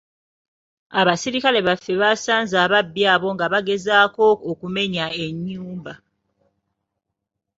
Abasirikale baffe basanze ababbi abo nga bagezaako okumenya ennyumba.